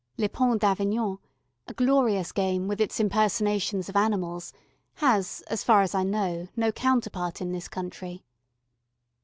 Le Pont d'Avignon, a glorious game, with its impersonations of animals, has, as far as I know, no counterpart in this country.